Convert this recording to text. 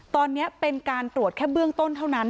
ตอนนี้เป็นการตรวจแค่เบื้องต้นเท่านั้น